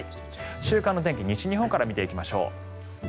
週間の天気を西日本から見ていきましょう。